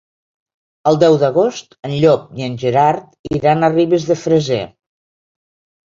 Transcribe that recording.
El deu d'agost en Llop i en Gerard iran a Ribes de Freser.